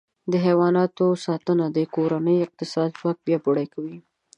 د حیواناتو ساتنه د کورنۍ اقتصادي ځواک پیاوړی کوي.